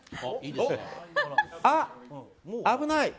あ、危ない。